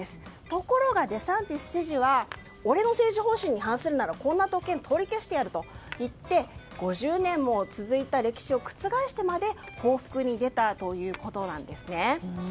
ところがデサンティス知事は俺の政治方針に反するならこの特権を取り消すと言って５０年も続いた歴史を覆してまで報復に出たということです。